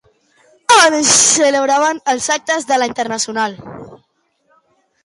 On se celebraven els actes de la Internacional?